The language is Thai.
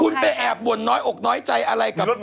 คุณไปแอบบ่นน้อยอกน้อยใจอะไรกับ